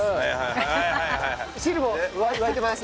汁も沸いてます